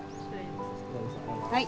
はい。